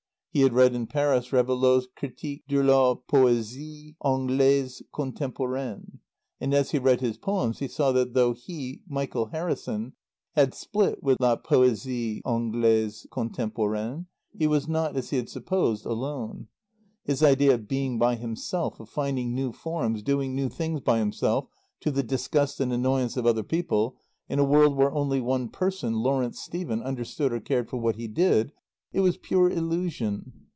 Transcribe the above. He had read in Paris Réveillaud's "Critique de la Poésie Anglaise Contemporaine." And as he read his poems, he saw that, though he, Michael Harrison, had split with "la poésie anglaise contemporaine," he was not, as he had supposed, alone. His idea of being by himself of finding new forms, doing new things by himself to the disgust and annoyance of other people, in a world where only one person, Lawrence Stephen, understood or cared for what he did, it was pure illusion.